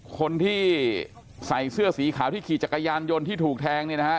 คนที่ใส่เสื้อสีขาวที่ขี่จักรยานยนต์ที่ถูกแทงเนี่ยนะฮะ